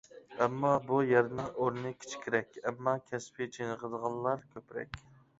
ئەمما بۇ يەرنىڭ ئورنى كىچىكرەك، ئەمما كەسپىي چېنىقىدىغانلار كۆپرەك.